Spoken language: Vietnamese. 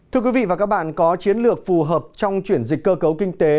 thưa quý vị và các bạn có chiến lược phù hợp trong chuyển dịch cơ cấu kinh tế